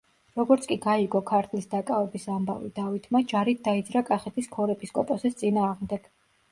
როგორც კი გაიგო ქართლის დაკავების ამბავი დავითმა, ჯარით დაიძრა კახეთის ქორეპისკოპოსის წინააღმდეგ.